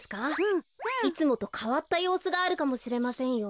いつもとかわったようすがあるかもしれませんよ。